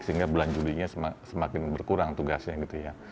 sehingga bulan julinya semakin berkurang tugasnya gitu ya